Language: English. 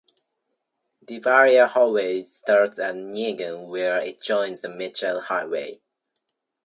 The Barrier Highway starts at Nyngan where it joins the Mitchell Highway.